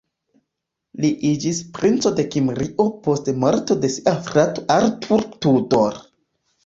Li iĝis Princo de Kimrio post morto de sia frato Arthur Tudor.